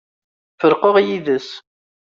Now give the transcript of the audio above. Ferqeɣ yid-s.